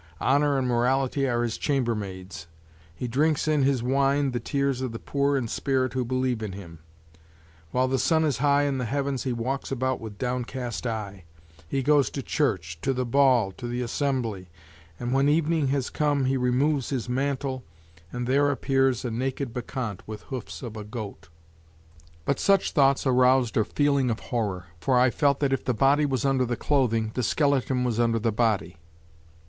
Honor and Morality are his chamber maids; he drinks in his wine the tears of the poor in spirit who believe in him; while the sun is high in the heavens he walks about with downcast eye; he goes to church, to the ball, to the assembly, and when evening has come he removes his mantle and there appears a naked bacchante with hoofs of a goat." But such thoughts aroused a feeling of horror, for I felt that if the body was under the clothing, the skeleton was under the body.